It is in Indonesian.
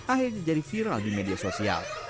akhirnya jadi viral di media sosial